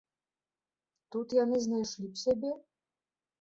Тут яны знайшлі б сябе?